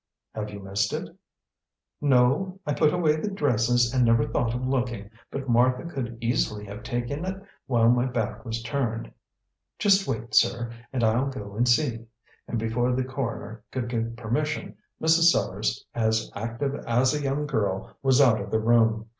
"Have you missed it?" "No. I put away the dresses and never thought of looking, but Martha could easily have taken it while my back was turned. Just wait, sir, and I'll go and see," and before the coroner could give permission, Mrs. Sellars, as active as a young girl, was out of the room.